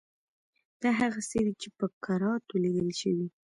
دا هغه څه دي چې په کراتو لیدل شوي.